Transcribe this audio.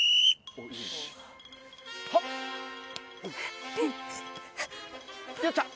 よっちゃん。